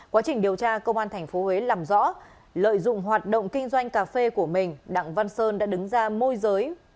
quá trình điều tra công an tp huế làm rõ lợi dụng hoạt động kinh doanh cà phê của mình đặng văn sơn đã đứng ra môi giới